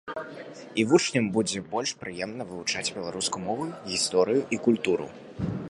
І вучням будзе больш прыемна вывучаць беларускую мову і гісторыю, і культуру.